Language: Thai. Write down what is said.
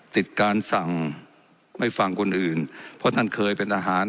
ติดการสั่งไม่ฟังคนอื่นเพราะท่านเคยเป็นอาหาร